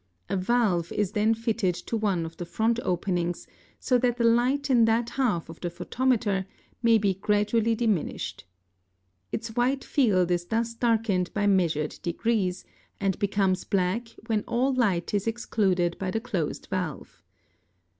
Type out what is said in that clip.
A valve is then fitted to one of the front openings, so that the light in that half of the photometer may be gradually diminished. Its white field is thus darkened by measured degrees, and becomes black when all light is excluded by the closed valve.